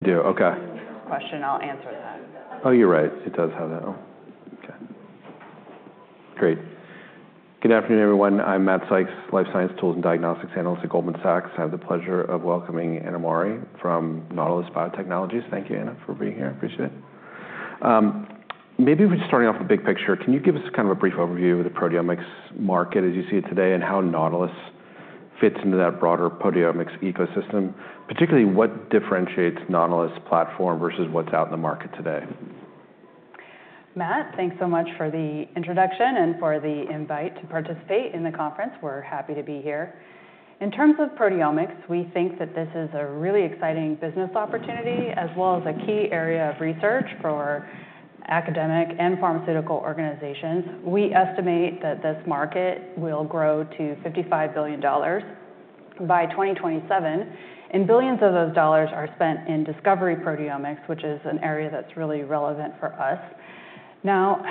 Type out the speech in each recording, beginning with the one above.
I do, okay. Question. I'll answer that. Oh, you're right. It does have that. Okay. Great. Good afternoon, everyone. I'm Matt Sykes, Life Science Tools and Diagnostics Analyst at Goldman Sachs. I have the pleasure of welcoming Anna Mowry from Nautilus Biotechnology. Thank you, Anna, for being here. I appreciate it. Maybe we're just starting off with the big picture. Can you give us kind of a brief overview of the proteomics market as you see it today and how Nautilus fits into that broader proteomics ecosystem? Particularly, what differentiates Nautilus platform versus what's out in the market today? Matt, thanks so much for the introduction and for the invite to participate in the conference. We're happy to be here. In terms of proteomics, we think that this is a really exciting business opportunity as well as a key area of research for academic and pharmaceutical organizations. We estimate that this market will grow to $55 billion by 2027, and billions of those dollars are spent in discovery proteomics, which is an area that's really relevant for us. Now,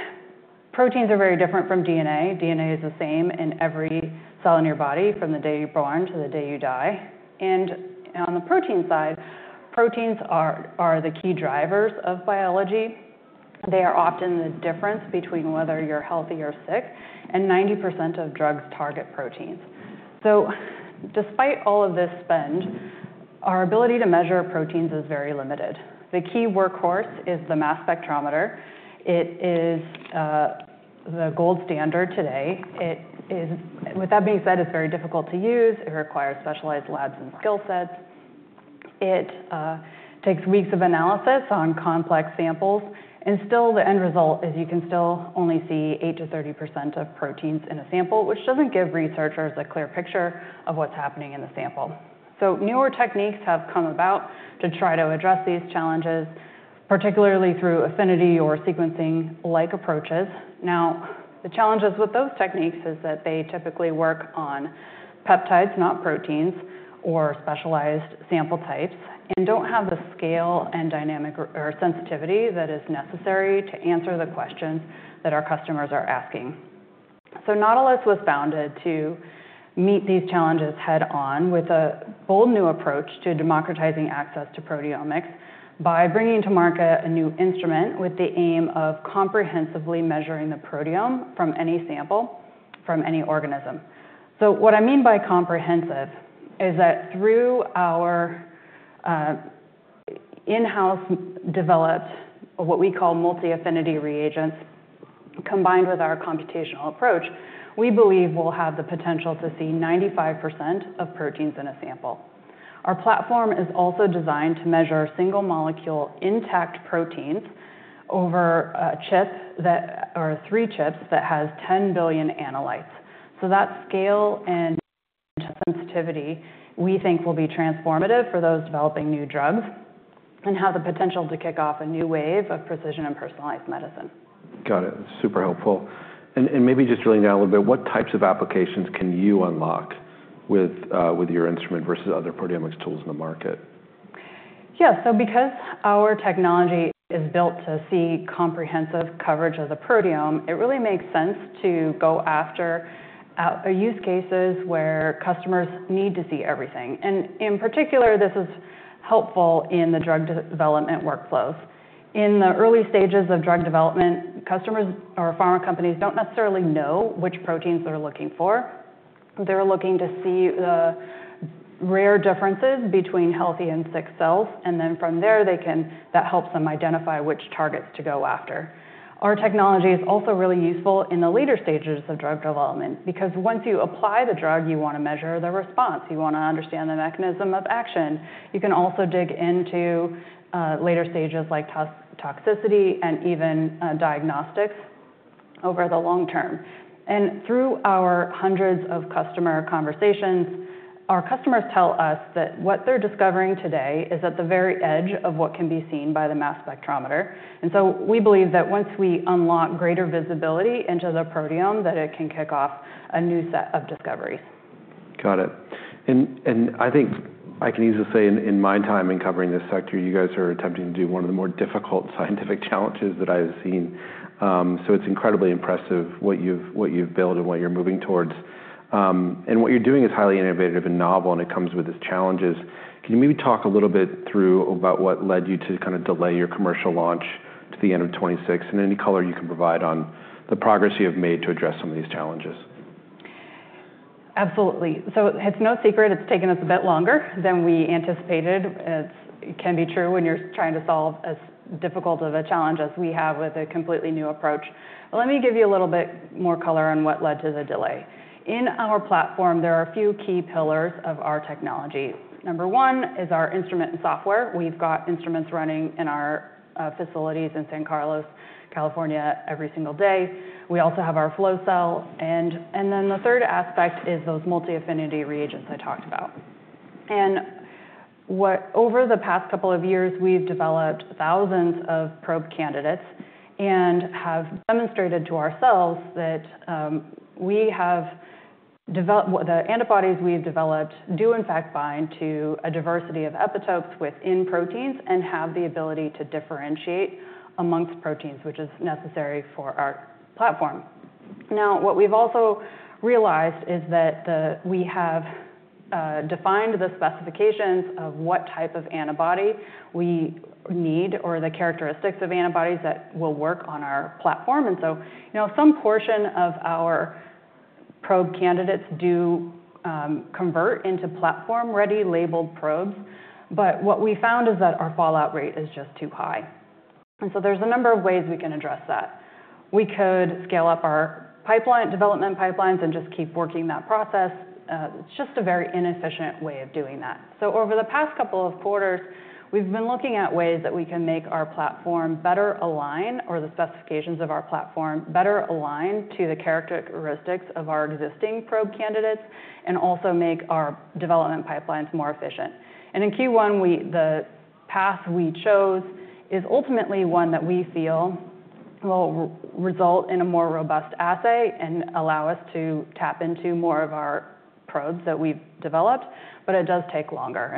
proteins are very different from DNA. DNA is the same in every cell in your body from the day you're born to the day you die. On the protein side, proteins are the key drivers of biology. They are often the difference between whether you're healthy or sick, and 90% of drugs target proteins. Despite all of this spend, our ability to measure proteins is very limited. The key workhorse is the mass spectrometer. It is the gold standard today. With that being said, it's very difficult to use. It requires specialized labs and skill sets. It takes weeks of analysis on complex samples. Still, the end result is you can still only see 8-30% of proteins in a sample, which doesn't give researchers a clear picture of what's happening in the sample. Newer techniques have come about to try to address these challenges, particularly through affinity or sequencing-like approaches. The challenges with those techniques are that they typically work on peptides, not proteins or specialized sample types, and don't have the scale and sensitivity that is necessary to answer the questions that our customers are asking. Nautilus was founded to meet these challenges head-on with a bold new approach to democratizing access to proteomics by bringing to market a new instrument with the aim of comprehensively measuring the proteome from any sample, from any organism. What I mean by comprehensive is that through our in-house developed what we call multi-affinity reagents, combined with our computational approach, we believe we'll have the potential to see 95% of proteins in a sample. Our platform is also designed to measure single-molecule intact proteins over a chip or three chips that has 10 billion analytes. That scale and sensitivity we think will be transformative for those developing new drugs and have the potential to kick off a new wave of precision and personalized medicine. Got it. Super helpful. Maybe just drilling down a little bit, what types of applications can you unlock with your instrument versus other proteomics tools in the market? Yeah. Because our technology is built to see comprehensive coverage of the proteome, it really makes sense to go after use cases where customers need to see everything. In particular, this is helpful in the drug development workflows. In the early stages of drug development, customers or pharma companies do not necessarily know which proteins they are looking for. They are looking to see the rare differences between healthy and sick cells. From there, that helps them identify which targets to go after. Our technology is also really useful in the later stages of drug development because once you apply the drug, you want to measure the response. You want to understand the mechanism of action. You can also dig into later stages like toxicity and even diagnostics over the long term. Through our hundreds of customer conversations, our customers tell us that what they're discovering today is at the very edge of what can be seen by the mass spectrometer. We believe that once we unlock greater visibility into the proteome, it can kick off a new set of discoveries. Got it. I think I can easily say in my time in covering this sector, you guys are attempting to do one of the more difficult scientific challenges that I have seen. It is incredibly impressive what you have built and what you are moving towards. What you are doing is highly innovative and novel, and it comes with its challenges. Can you maybe talk a little bit through about what led you to kind of delay your commercial launch to the end of 2026? Any color you can provide on the progress you have made to address some of these challenges. Absolutely. It's no secret it's taken us a bit longer than we anticipated. It can be true when you're trying to solve as difficult of a challenge as we have with a completely new approach. Let me give you a little bit more color on what led to the delay. In our platform, there are a few key pillars of our technology. Number one is our instrument and software. We've got instruments running in our facilities in San Carlos, California, every single day. We also have our flow cell. The third aspect is those multi-affinity reagents I talked about. Over the past couple of years, we've developed thousands of probe candidates and have demonstrated to ourselves that the antibodies we've developed do, in fact, bind to a diversity of epitopes within proteins and have the ability to differentiate amongst proteins, which is necessary for our platform. What we've also realized is that we have defined the specifications of what type of antibody we need or the characteristics of antibodies that will work on our platform. Some portion of our probe candidates do convert into platform-ready labeled probes. What we found is that our fallout rate is just too high. There are a number of ways we can address that. We could scale up our development pipelines and just keep working that process. It's just a very inefficient way of doing that. Over the past couple of quarters, we've been looking at ways that we can make our platform better align or the specifications of our platform better align to the characteristics of our existing probe candidates and also make our development pipelines more efficient. In Q1, the path we chose is ultimately one that we feel will result in a more robust assay and allow us to tap into more of our probes that we've developed, but it does take longer.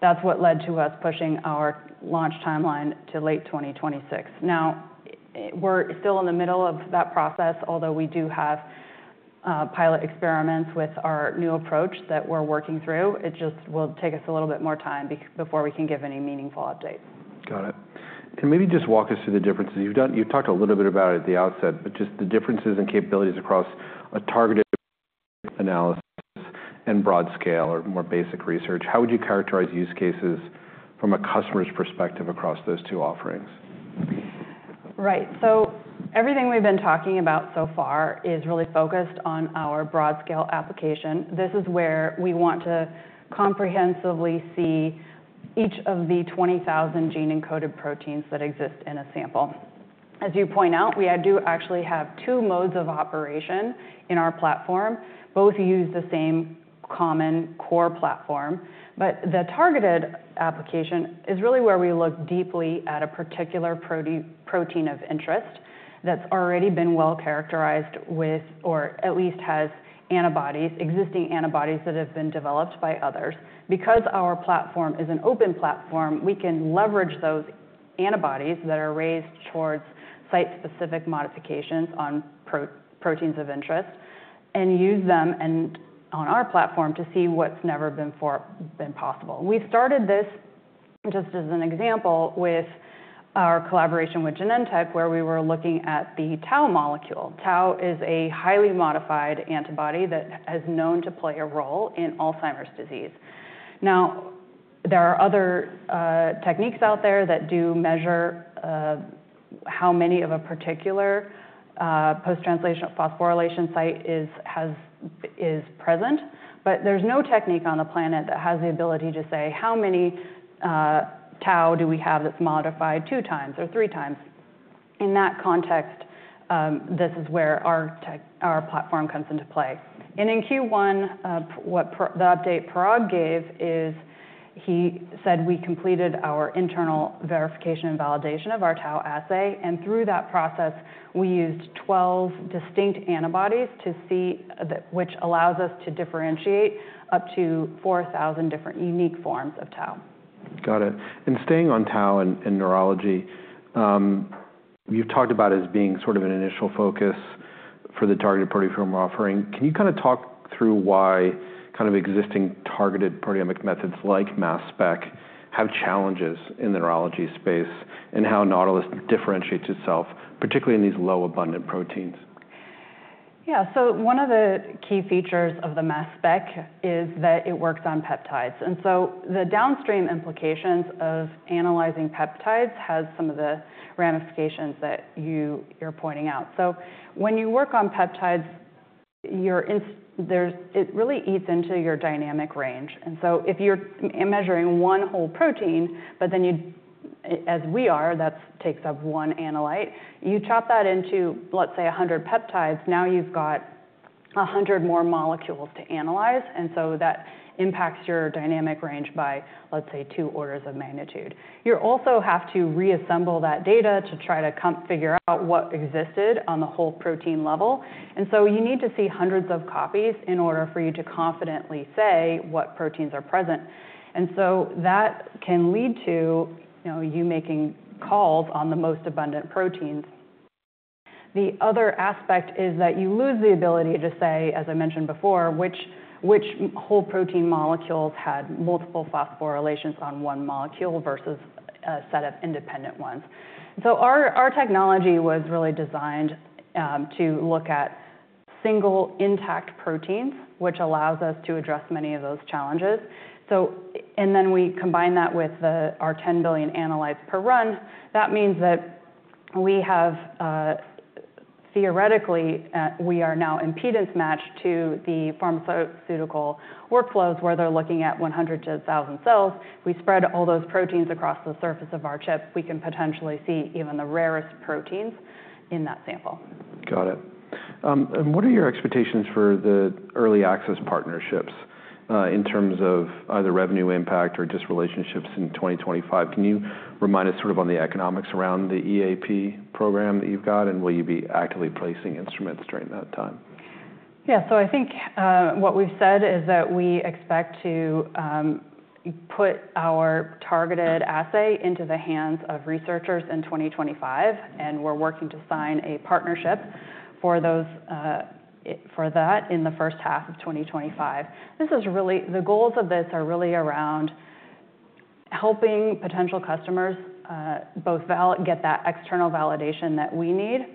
That is what led to us pushing our launch timeline to late 2026. Now, we're still in the middle of that process, although we do have pilot experiments with our new approach that we're working through. It just will take us a little bit more time before we can give any meaningful updates. Got it. Maybe just walk us through the differences. You've talked a little bit about it at the outset, but just the differences in capabilities across a targeted analysis and broad scale or more basic research. How would you characterize use cases from a customer's perspective across those two offerings? Right. Everything we've been talking about so far is really focused on our broad scale application. This is where we want to comprehensively see each of the 20,000 gene-encoded proteins that exist in a sample. As you point out, we do actually have two modes of operation in our platform. Both use the same common core platform, but the targeted application is really where we look deeply at a particular protein of interest that's already been well characterized with or at least has existing antibodies that have been developed by others. Because our platform is an open platform, we can leverage those antibodies that are raised towards site-specific modifications on proteins of interest and use them on our platform to see what's never been possible. We started this just as an example with our collaboration with Genentech, where we were looking at the tau molecule. Tau is a highly modified antibody that is known to play a role in Alzheimer's disease. Now, there are other techniques out there that do measure how many of a particular post-translational phosphorylation site is present, but there's no technique on the planet that has the ability to say how many tau do we have that's modified two times or three times. In that context, this is where our platform comes into play. In Q1, the update Parag gave is he said we completed our internal verification and validation of our tau assay, and through that process, we used 12 distinct antibodies to see which allows us to differentiate up to 4,000 different unique forms of tau. Got it. Staying on tau and neurology, you've talked about it as being sort of an initial focus for the targeted proteome offering. Can you kind of talk through why kind of existing targeted proteomic methods like mass spec have challenges in the neurology space and how Nautilus differentiates itself, particularly in these low-abundant proteins? Yeah. One of the key features of the mass spec is that it works on peptides. The downstream implications of analyzing peptides have some of the ramifications that you're pointing out. When you work on peptides, it really eats into your dynamic range. If you're measuring one whole protein, but then you, as we are, that takes up one analyte, you chop that into, let's say, 100 peptides, now you've got 100 more molecules to analyze. That impacts your dynamic range by, let's say, two orders of magnitude. You also have to reassemble that data to try to figure out what existed on the whole protein level. You need to see hundreds of copies in order for you to confidently say what proteins are present. That can lead to you making calls on the most abundant proteins. The other aspect is that you lose the ability to say, as I mentioned before, which whole protein molecules had multiple phosphorylations on one molecule versus a set of independent ones. Our technology was really designed to look at single intact proteins, which allows us to address many of those challenges. We combine that with our 10 billion analytes per run. That means that we have, theoretically, we are now impedance matched to the pharmaceutical workflows where they're looking at 100-1,000 cells. We spread all those proteins across the surface of our chip. We can potentially see even the rarest proteins in that sample. Got it. What are your expectations for the early access partnerships in terms of either revenue impact or just relationships in 2025? Can you remind us sort of on the economics around the EAP program that you've got, and will you be actively placing instruments during that time? Yeah. So I think what we've said is that we expect to put our targeted assay into the hands of researchers in 2025, and we're working to sign a partnership for that in the first half of 2025. The goals of this are really around helping potential customers both get that external validation that we need,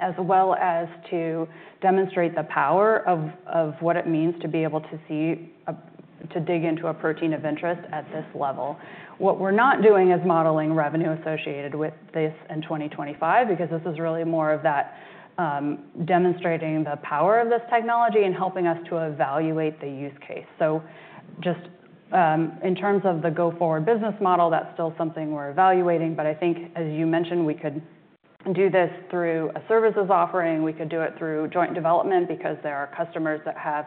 as well as to demonstrate the power of what it means to be able to dig into a protein of interest at this level. What we're not doing is modeling revenue associated with this in 2025 because this is really more of that demonstrating the power of this technology and helping us to evaluate the use case. Just in terms of the go-forward business model, that's still something we're evaluating. I think, as you mentioned, we could do this through a services offering. We could do it through joint development because there are customers that have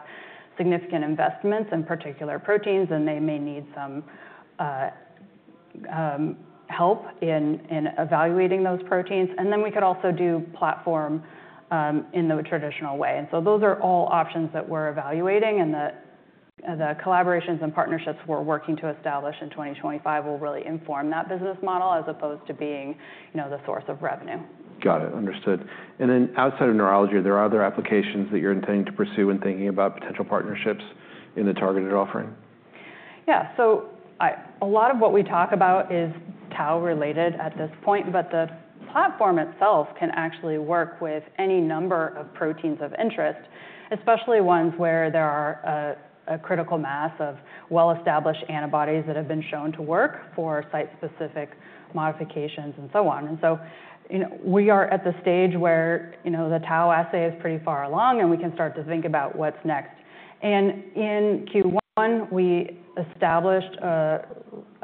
significant investments in particular proteins, and they may need some help in evaluating those proteins. We could also do platform in the traditional way. Those are all options that we're evaluating, and the collaborations and partnerships we're working to establish in 2025 will really inform that business model as opposed to being the source of revenue. Got it. Understood. And then outside of neurology, are there other applications that you're intending to pursue when thinking about potential partnerships in the targeted offering? Yeah. A lot of what we talk about is tau-related at this point, but the platform itself can actually work with any number of proteins of interest, especially ones where there are a critical mass of well-established antibodies that have been shown to work for site-specific modifications and so on. We are at the stage where the tau assay is pretty far along, and we can start to think about what's next. In Q1, we established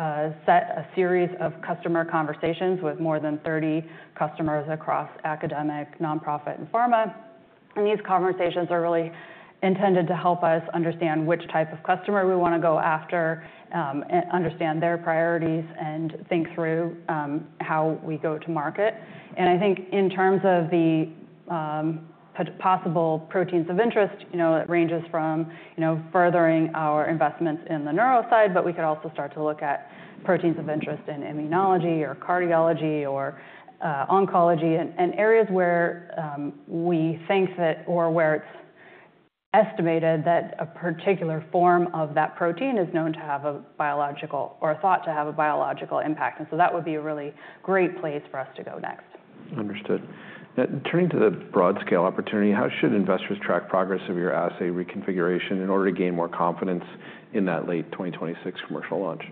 a series of customer conversations with more than 30 customers across academic, nonprofit, and pharma. These conversations are really intended to help us understand which type of customer we want to go after, understand their priorities, and think through how we go to market. I think in terms of the possible proteins of interest, it ranges from furthering our investments in the neuro side, but we could also start to look at proteins of interest in immunology or cardiology or oncology and areas where we think that or where it's estimated that a particular form of that protein is known to have a biological or thought to have a biological impact. That would be a really great place for us to go next. Understood. Turning to the broad scale opportunity, how should investors track progress of your assay reconfiguration in order to gain more confidence in that late 2026 commercial launch?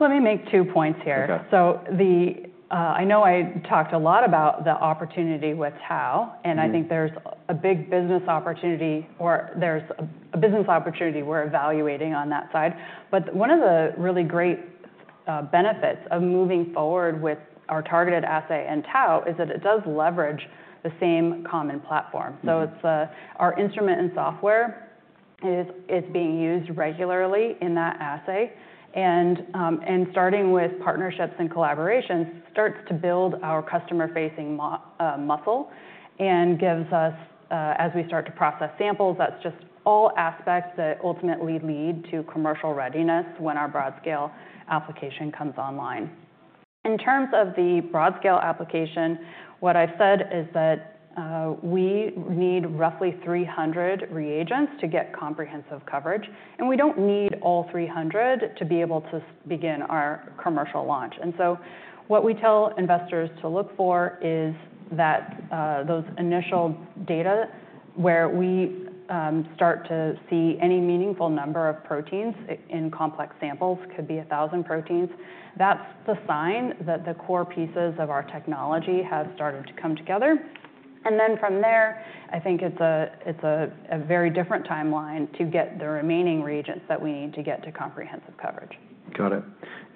Let me make two points here. I know I talked a lot about the opportunity with tau, and I think there's a big business opportunity or there's a business opportunity we're evaluating on that side. One of the really great benefits of moving forward with our targeted assay in tau is that it does leverage the same common platform. Our instrument and software is being used regularly in that assay, and starting with partnerships and collaborations starts to build our customer-facing muscle and gives us, as we start to process samples, that's just all aspects that ultimately lead to commercial readiness when our broad scale application comes online. In terms of the broad scale application, what I've said is that we need roughly 300 reagents to get comprehensive coverage, and we don't need all 300 to be able to begin our commercial launch. What we tell investors to look for is that those initial data where we start to see any meaningful number of proteins in complex samples could be 1,000 proteins. That is the sign that the core pieces of our technology have started to come together. From there, I think it is a very different timeline to get the remaining reagents that we need to get to comprehensive coverage. Got it.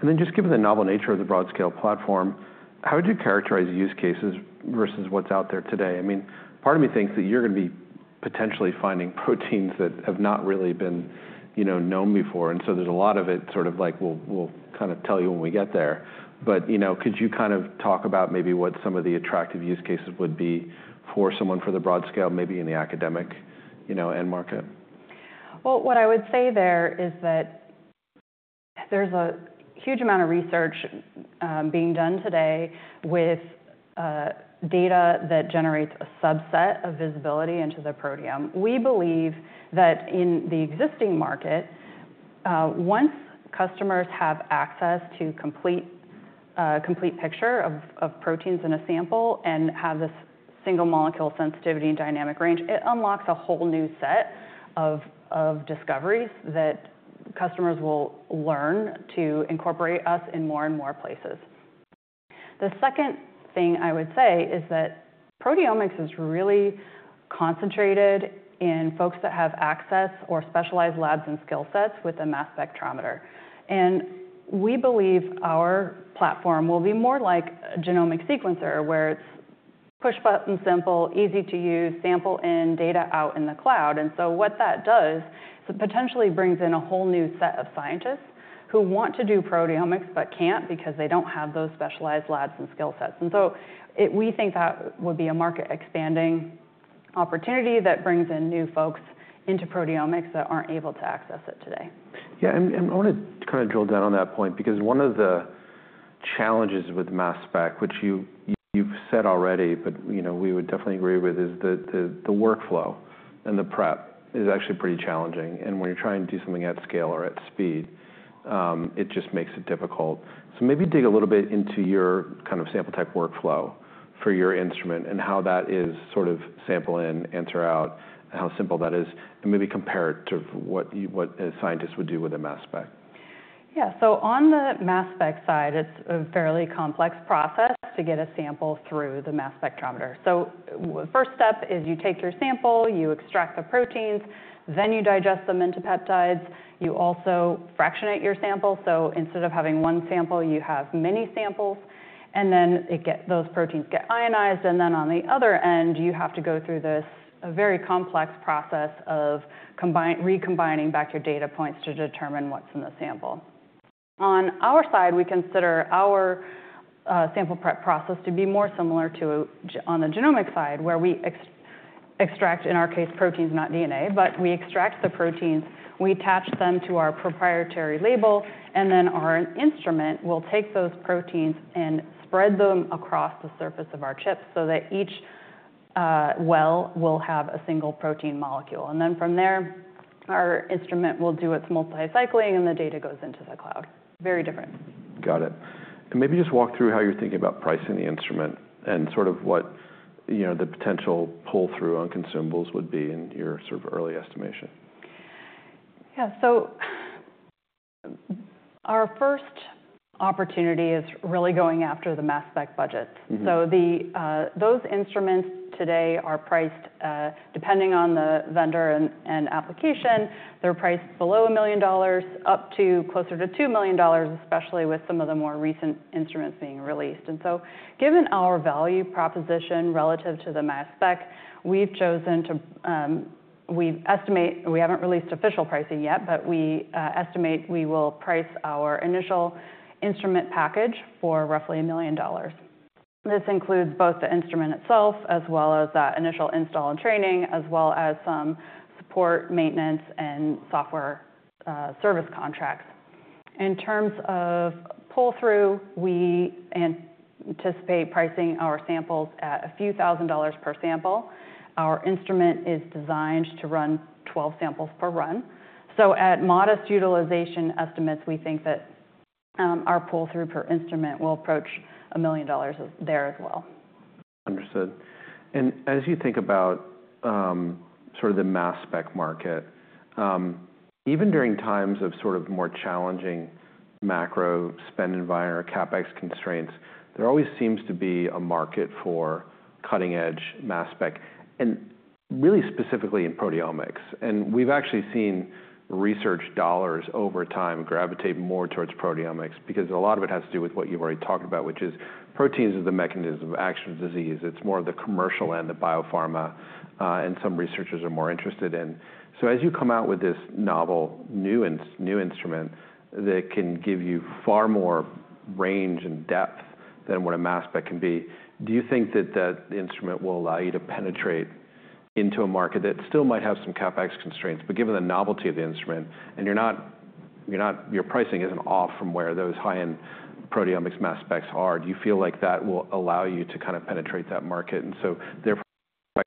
And then just given the novel nature of the broad scale platform, how would you characterize use cases versus what's out there today? I mean, part of me thinks that you're going to be potentially finding proteins that have not really been known before. And so there's a lot of it sort of like, we'll kind of tell you when we get there. But could you kind of talk about maybe what some of the attractive use cases would be for someone for the broad scale, maybe in the academic end market? There is a huge amount of research being done today with data that generates a subset of visibility into the proteome. We believe that in the existing market, once customers have access to a complete picture of proteins in a sample and have this single molecule sensitivity and dynamic range, it unlocks a whole new set of discoveries that customers will learn to incorporate us in more and more places. The second thing I would say is that proteomics is really concentrated in folks that have access or specialized labs and skill sets with a mass spectrometer. We believe our platform will be more like a genomic sequencer where it is push button simple, easy to use, sample in, data out in the cloud. What that does is it potentially brings in a whole new set of scientists who want to do proteomics but can't because they don't have those specialized labs and skill sets. We think that would be a market expanding opportunity that brings in new folks into proteomics that aren't able to access it today. Yeah. I want to kind of drill down on that point because one of the challenges with mass spec, which you've said already, but we would definitely agree with, is that the workflow and the prep is actually pretty challenging. When you're trying to do something at scale or at speed, it just makes it difficult. Maybe dig a little bit into your kind of sample tech workflow for your instrument and how that is sort of sample in, answer out, and how simple that is, and maybe compare it to what a scientist would do with a mass spec. Yeah. On the mass spec side, it's a fairly complex process to get a sample through the mass spectrometer. The first step is you take your sample, you extract the proteins, then you digest them into peptides. You also fractionate your sample. Instead of having one sample, you have many samples. Those proteins get ionized. On the other end, you have to go through this very complex process of recombining back your data points to determine what's in the sample. On our side, we consider our sample prep process to be more similar to on the genomic side where we extract, in our case, proteins, not DNA, but we extract the proteins, we attach them to our proprietary label, and then our instrument will take those proteins and spread them across the surface of our chip so that each well will have a single protein molecule. From there, our instrument will do its multi-cycling and the data goes into the cloud. Very different. Got it. Maybe just walk through how you're thinking about pricing the instrument and sort of what the potential pull-through on consumables would be in your sort of early estimation. Yeah. Our first opportunity is really going after the mass spec budgets. Those instruments today are priced depending on the vendor and application. They're priced below $1 million, up to closer to $2 million, especially with some of the more recent instruments being released. Given our value proposition relative to the mass spec, we haven't released official pricing yet, but we estimate we will price our initial instrument package for roughly $1 million. This includes both the instrument itself as well as that initial install and training, as well as some support, maintenance, and software service contracts. In terms of pull-through, we anticipate pricing our samples at a few thousand dollars per sample. Our instrument is designed to run 12 samples per run. At modest utilization estimates, we think that our pull-through per instrument will approach $1 million there as well. Understood. As you think about sort of the mass spec market, even during times of more challenging macro spend environment or CapEx constraints, there always seems to be a market for cutting-edge mass spec, and really specifically in proteomics. We have actually seen research dollars over time gravitate more towards proteomics because a lot of it has to do with what you have already talked about, which is proteins as the mechanism of action of disease. It is more of the commercial end, the biopharma, and some researchers are more interested in. As you come out with this novel new instrument that can give you far more range and depth than what a mass spec can be, do you think that that instrument will allow you to penetrate into a market that still might have some CapEx constraints? Given the novelty of the instrument and your pricing is not off from where those high-end proteomics mass specs are, do you feel like that will allow you to kind of penetrate that market? Therefore, the mass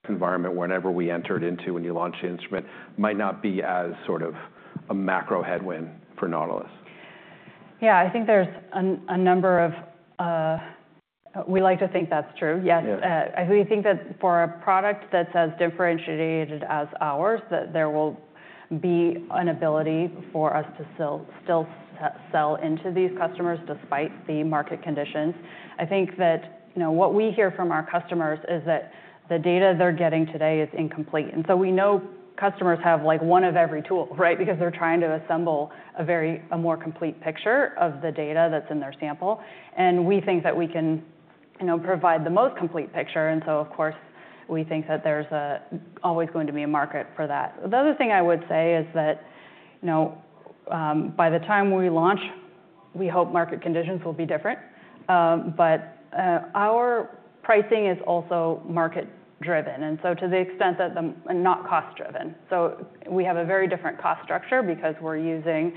spec environment, whenever we enter it into when you launch the instrument, might not be as sort of a macro headwind for Nautilus. Yeah. I think there's a number of we like to think that's true. Yes. We think that for a product that's as differentiated as ours, that there will be an ability for us to still sell into these customers despite the market conditions. I think that what we hear from our customers is that the data they're getting today is incomplete. We know customers have like one of every tool, right, because they're trying to assemble a more complete picture of the data that's in their sample. We think that we can provide the most complete picture. Of course, we think that there's always going to be a market for that. The other thing I would say is that by the time we launch, we hope market conditions will be different. Our pricing is also market-driven. To the extent that, and not cost-driven. We have a very different cost structure because we're using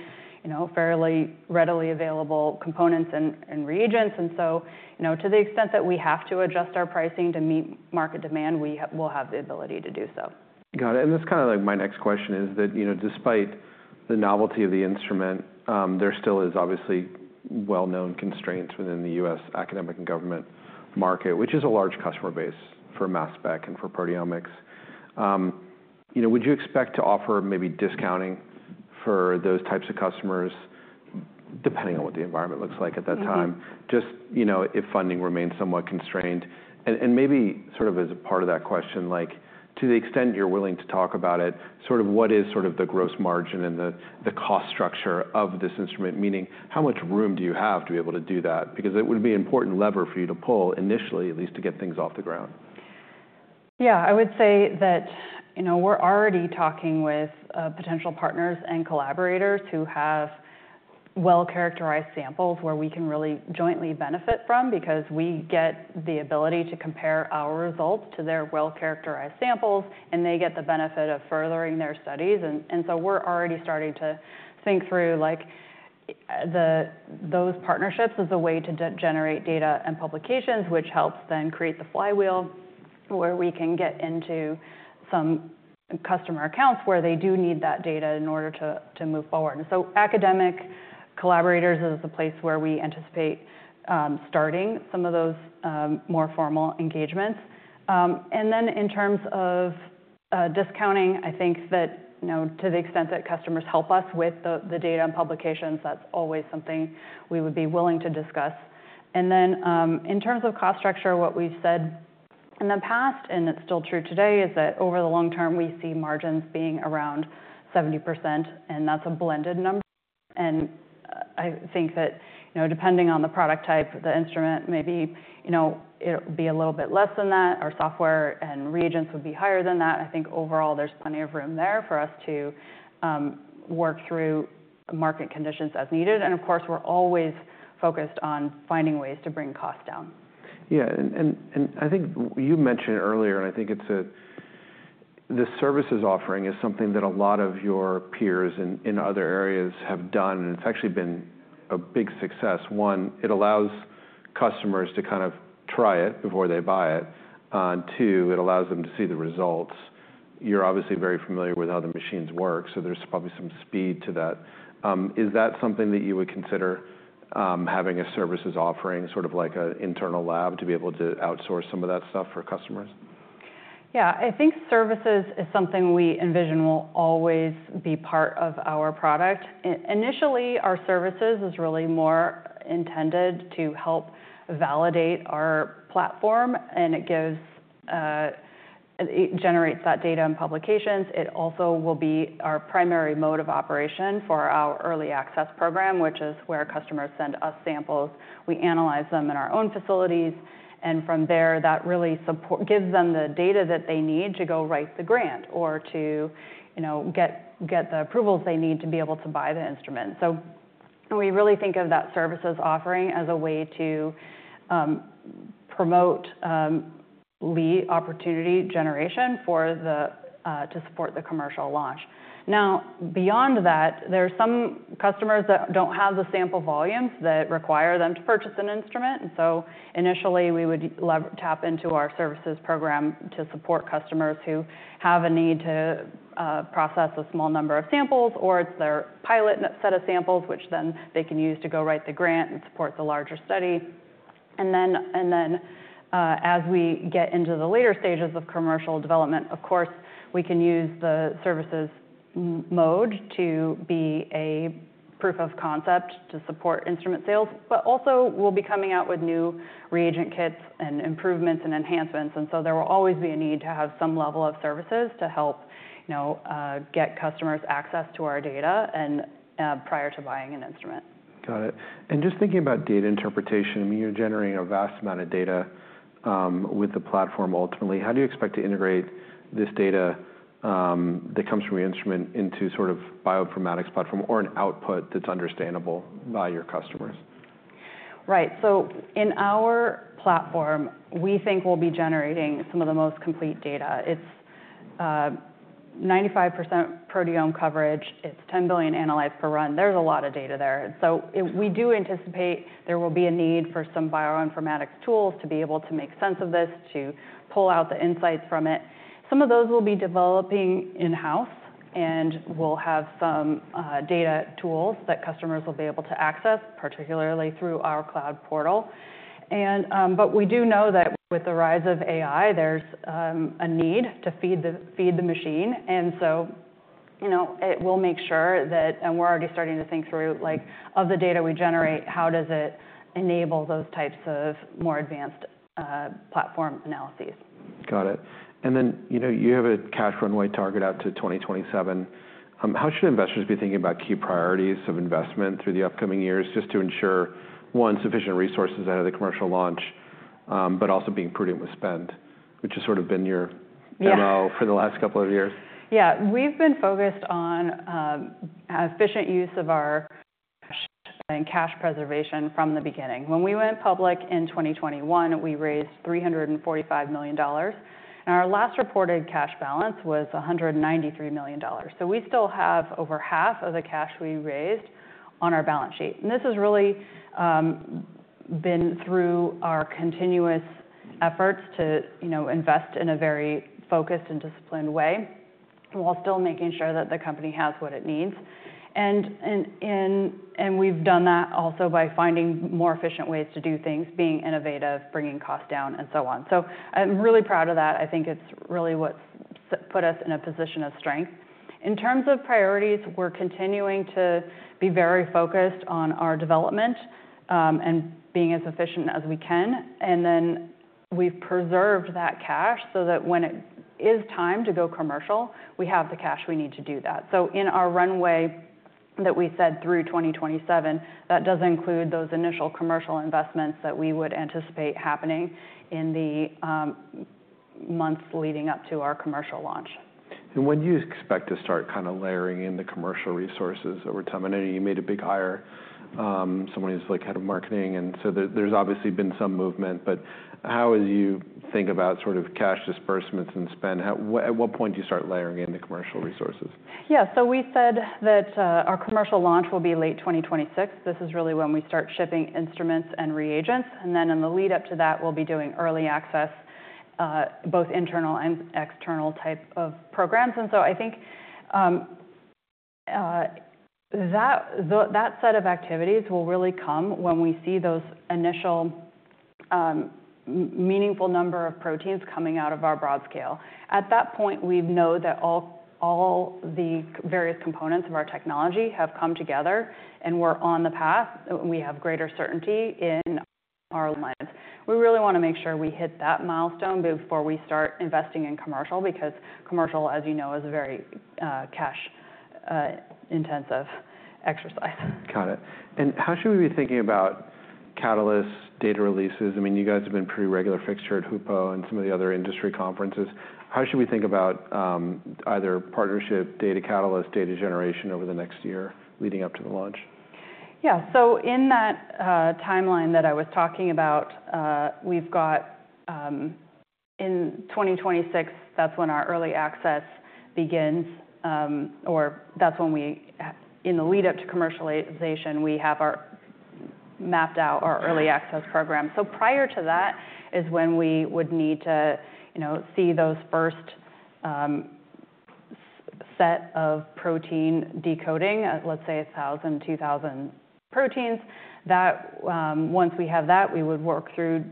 fairly readily available components and reagents. To the extent that we have to adjust our pricing to meet market demand, we will have the ability to do so. Got it. That is kind of like my next question is that despite the novelty of the instrument, there still is obviously well-known constraints within the U.S. academic and government market, which is a large customer base for mass spec and for proteomics. Would you expect to offer maybe discounting for those types of customers depending on what the environment looks like at that time, just if funding remains somewhat constrained? Maybe sort of as a part of that question, to the extent you are willing to talk about it, sort of what is sort of the gross margin and the cost structure of this instrument, meaning how much room do you have to be able to do that? Because it would be an important lever for you to pull initially, at least to get things off the ground. Yeah. I would say that we're already talking with potential partners and collaborators who have well-characterized samples where we can really jointly benefit from because we get the ability to compare our results to their well-characterized samples, and they get the benefit of furthering their studies. We're already starting to think through those partnerships as a way to generate data and publications, which helps then create the flywheel where we can get into some customer accounts where they do need that data in order to move forward. Academic collaborators is the place where we anticipate starting some of those more formal engagements. In terms of discounting, I think that to the extent that customers help us with the data and publications, that's always something we would be willing to discuss. In terms of cost structure, what we've said in the past, and it's still true today, is that over the long term, we see margins being around 70%, and that's a blended number. I think that depending on the product type, the instrument, maybe it'll be a little bit less than that. Our software and reagents would be higher than that. I think overall, there's plenty of room there for us to work through market conditions as needed. Of course, we're always focused on finding ways to bring costs down. Yeah. I think you mentioned earlier, and I think the services offering is something that a lot of your peers in other areas have done, and it's actually been a big success. One, it allows customers to kind of try it before they buy it. Two, it allows them to see the results. You're obviously very familiar with how the machines work, so there's probably some speed to that. Is that something that you would consider having a services offering, sort of like an internal lab, to be able to outsource some of that stuff for customers? Yeah. I think services is something we envision will always be part of our product. Initially, our services is really more intended to help validate our platform, and it generates that data and publications. It also will be our primary mode of operation for our early access program, which is where customers send us samples. We analyze them in our own facilities. From there, that really gives them the data that they need to go write the grant or to get the approvals they need to be able to buy the instrument. We really think of that services offering as a way to promote lead opportunity generation to support the commercial launch. Now, beyond that, there are some customers that do not have the sample volumes that require them to purchase an instrument. Initially, we would tap into our services program to support customers who have a need to process a small number of samples, or it's their pilot set of samples, which then they can use to go write the grant and support the larger study. As we get into the later stages of commercial development, of course, we can use the services mode to be a proof of concept to support instrument sales, but also we'll be coming out with new reagent kits and improvements and enhancements. There will always be a need to have some level of services to help get customers access to our data prior to buying an instrument. Got it. And just thinking about data interpretation, I mean, you're generating a vast amount of data with the platform ultimately. How do you expect to integrate this data that comes from your instrument into sort of bioinformatics platform or an output that's understandable by your customers? Right. In our platform, we think we'll be generating some of the most complete data. It's 95% proteome coverage. It's 10 billion analytes per run. There's a lot of data there. We do anticipate there will be a need for some bioinformatics tools to be able to make sense of this, to pull out the insights from it. Some of those we'll be developing in-house and will have some data tools that customers will be able to access, particularly through our cloud portal. We do know that with the rise of AI, there's a need to feed the machine. It will make sure that, and we're already starting to think through, of the data we generate, how does it enable those types of more advanced platform analyses. Got it. You have a cash runway target out to 2027. How should investors be thinking about key priorities of investment through the upcoming years just to ensure, one, sufficient resources ahead of the commercial launch, but also being prudent with spend, which has sort of been your MO for the last couple of years? Yeah. We've been focused on efficient use of our cash and cash preservation from the beginning. When we went public in 2021, we raised $345 million. Our last reported cash balance was $193 million. We still have over half of the cash we raised on our balance sheet. This has really been through our continuous efforts to invest in a very focused and disciplined way while still making sure that the company has what it needs. We've done that also by finding more efficient ways to do things, being innovative, bringing costs down, and so on. I'm really proud of that. I think it's really what's put us in a position of strength. In terms of priorities, we're continuing to be very focused on our development and being as efficient as we can. We have preserved that cash so that when it is time to go commercial, we have the cash we need to do that. In our runway that we said through 2027, that does include those initial commercial investments that we would anticipate happening in the months leading up to our commercial launch. When do you expect to start kind of layering in the commercial resources over time? I know you made a big hire, someone who's head of marketing. There's obviously been some movement. How do you think about sort of cash disbursements and spend? At what point do you start layering in the commercial resources? Yeah. We said that our commercial launch will be late 2026. This is really when we start shipping instruments and reagents. In the lead-up to that, we'll be doing early access, both internal and external type of programs. I think that set of activities will really come when we see those initial meaningful number of proteins coming out of our broad scale. At that point, we know that all the various components of our technology have come together, and we're on the path. We have greater certainty in our lines. We really want to make sure we hit that milestone before we start investing in commercial because commercial, as you know, is a very cash-intensive exercise. Got it. How should we be thinking about catalysts, data releases? I mean, you guys have been a pretty regular fixture who owns some of the other industry conferences. How should we think about either partnership, data catalyst, data generation over the next year leading up to the launch? Yeah. In that timeline that I was talking about, we've got in 2026, that's when our early access begins, or that's when we, in the lead-up to commercialization, we have mapped out our early access program. Prior to that is when we would need to see those first set of protein decoding, let's say 1,000-2,000 proteins. Once we have that, we would work through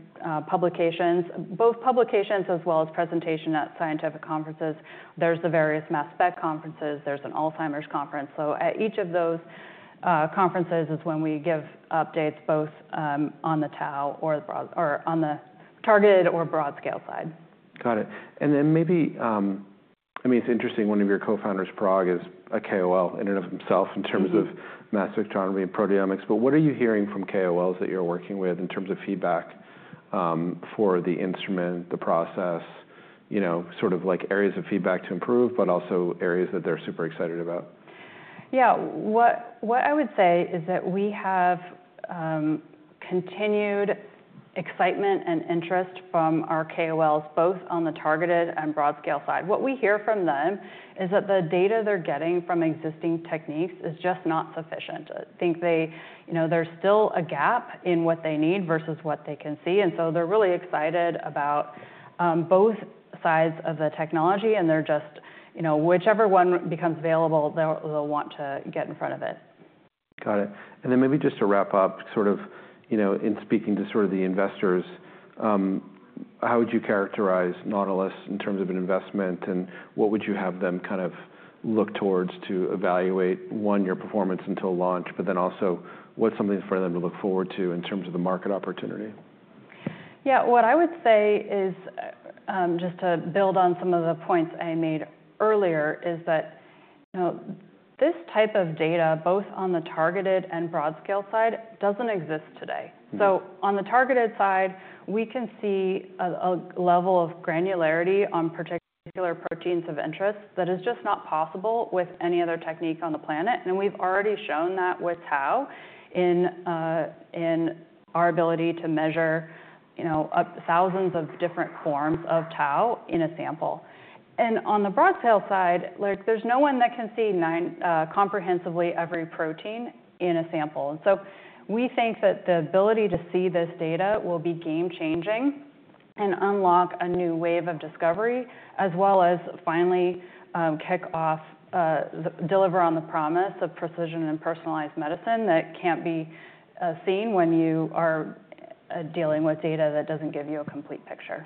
publications, both publications as well as presentation at scientific conferences. There are the various mass spec conferences. There is an Alzheimer's conference. At each of those conferences is when we give updates both on the tau or on the targeted or broad scale side. Got it. And then maybe, I mean, it's interesting, one of your co-founders, Parag, is a KOL in and of himself in terms of mass spectrometry and proteomics. But what are you hearing from KOLs that you're working with in terms of feedback for the instrument, the process, sort of like areas of feedback to improve, but also areas that they're super excited about? Yeah. What I would say is that we have continued excitement and interest from our KOLs, both on the targeted and broad scale side. What we hear from them is that the data they're getting from existing techniques is just not sufficient. I think there's still a gap in what they need versus what they can see. They are really excited about both sides of the technology. They are just, whichever one becomes available, they'll want to get in front of it. Got it. Maybe just to wrap up, sort of in speaking to sort of the investors, how would you characterize Nautilus in terms of an investment, and what would you have them kind of look towards to evaluate, one, your performance until launch, but then also what's something for them to look forward to in terms of the market opportunity? Yeah. What I would say is just to build on some of the points I made earlier is that this type of data, both on the targeted and broad scale side, does not exist today. On the targeted side, we can see a level of granularity on particular proteins of interest that is just not possible with any other technique on the planet. We have already shown that with tau in our ability to measure thousands of different forms of tau in a sample. On the broad scale side, there is no one that can see comprehensively every protein in a sample. We think that the ability to see this data will be game-changing and unlock a new wave of discovery, as well as finally kick off, deliver on the promise of precision and personalized medicine that cannot be seen when you are dealing with data that does not give you a complete picture.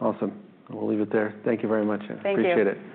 Awesome. We'll leave it there. Thank you very much. Thank you. Appreciate it.